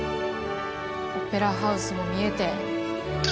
オペラハウスも見えて。